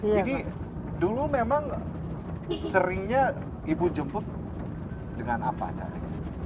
jadi dulu memang seringnya ibu jemput dengan apa caranya